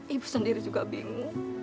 ibu sendiri juga bingung